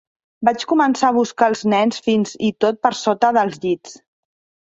Vaig començar a buscar els nens fins i tot per sota dels llits.